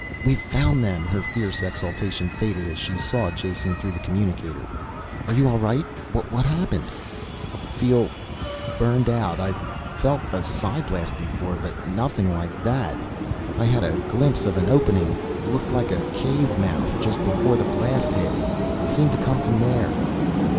"We've found them!" Her fierce exultation faded as she saw Jason through the communicator. "Are you all right? What happened?" "Feel ... burned out ... I've felt a psi blast before, but nothing like that! I had a glimpse of an opening, looked like a cave mouth, just before the blast hit. Seemed to come from there."